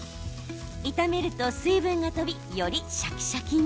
炒めると水分が飛びよりシャキシャキに。